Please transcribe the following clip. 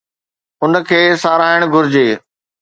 ان کي ساراهڻ گهرجي.